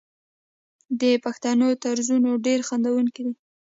د پښتنو طنزونه ډیر خندونکي دي.